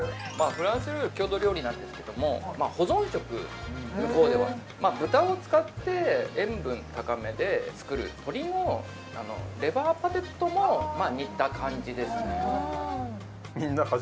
フランス料理の郷土料理なんですけども保存食向こうでは豚を使って塩分高めで作る鶏のレバーパテとも似た感じですね